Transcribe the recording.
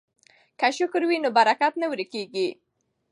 که شکر وي نو برکت نه ورکیږي.